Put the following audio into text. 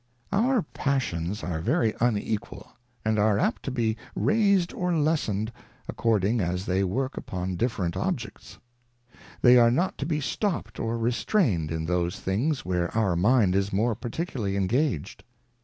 Ouv P^assions are very unequal, and are apt to be raised or lessened, according as they work upon different Objects ; they are not to be stopped or re strained in those things where our Mind is more particularly engaged.